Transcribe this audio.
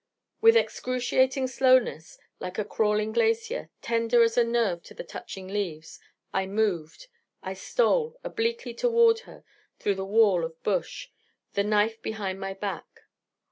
With excruciating slowness, like a crawling glacier, tender as a nerve of the touching leaves, I moved, I stole, obliquely toward her through the wall of bush, the knife behind my back.